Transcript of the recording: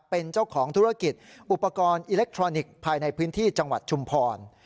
เป็นเจ้าของธุรกิจอุปกรณ์อิเล็กทรอนิกส์ภายในพื้นที่จังหวัดชุมพร